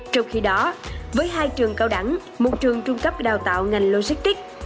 trong khi đó với hai trường cao đẳng một trường trung cấp đào tạo ngành logistics